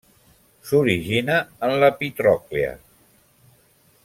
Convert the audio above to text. S'origina en l'epitròclea.